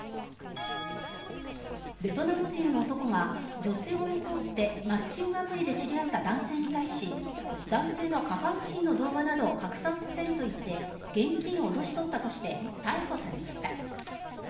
ベトナム人の男が女性を装ってマッチングアプリで知り合った男性に対し男性の下半身の動画などを拡散させると言って現金を脅し取ったとして逮捕されました。